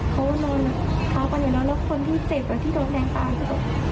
ถ้าเขาไม่ฟังอะไรหรอกพวกเขาไม่ได้ตั้งใจ